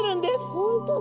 本当だ。